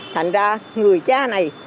thành ra người cha này